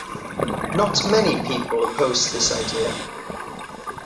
Not many people opposed this idea.